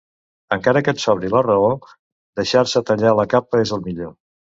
Encara que et sobri la raó, deixar-se tallar la capa és el millor.